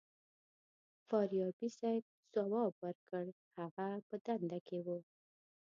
فاریابي صیب ځواب ورکړ هغه په دنده کې و.